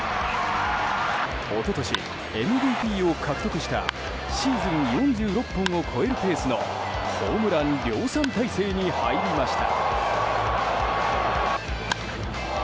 一昨年、ＭＶＰを獲得したシーズン４６本を超えるペースのホームラン量産態勢に入りました。